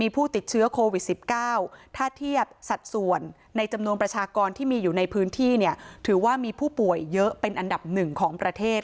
ประชากรที่มีอยู่ในพื้นที่เนี่ยถือว่ามีผู้ป่วยเยอะเป็นอันดับหนึ่งของประเทศ